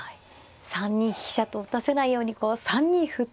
３二飛車と打たせないようにこう３二歩と。